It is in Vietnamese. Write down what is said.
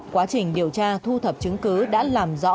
quá trình điều tra thu thập chứng cứ đã làm rõ